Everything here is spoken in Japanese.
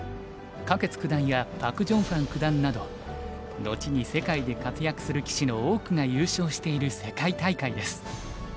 柯潔九段やパク・ジョンファン九段など後に世界で活躍する棋士の多くが優勝している世界大会です。